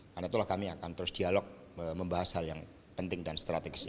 karena itulah kami akan terus dialog membahas hal yang penting dan seterusnya